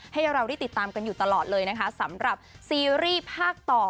ให้เราได้ติดตามกันอยู่ตลอดเลยนะคะสำหรับซีรีส์ภาคต่อ